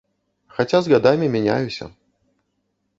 Хаця з гадамі мяняюся.